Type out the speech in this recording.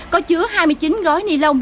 có chứa hai mươi chín gói ni lông